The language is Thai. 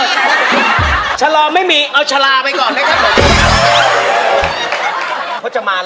บ้านทรายทองบ้านทรายทองบ้านทรายทองแซมเครื่องโจมส์ภาพ